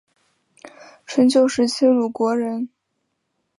春秋时期鲁国人。